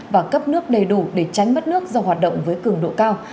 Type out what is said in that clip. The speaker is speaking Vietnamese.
và cấp nước đầy đủ để tránh mất nước do hoạt động với cường độ cao